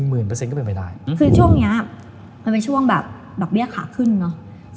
คือช่วงนี้อะมันเป็นช่วงแบบดอกเบี้ยขาขึ้นเนอะ